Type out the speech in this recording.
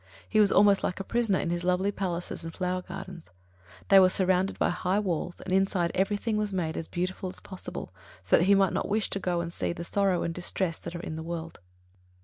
He was almost like a prisoner in his lovely palaces and flower gardens. They were surrounded by high walls, and inside everything was made as beautiful as possible, so that he might not wish to go and see the sorrow and distress that are in the world.